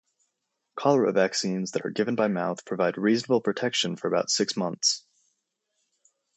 Cholera vaccines that are given by mouth provide reasonable protection for about six months.